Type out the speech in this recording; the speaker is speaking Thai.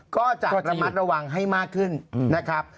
ก็จะระมัดระวังให้มากขึ้นนะครับ